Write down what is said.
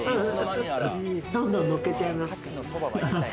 どんどんのっけちゃいます。